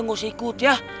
gak usah ikut ya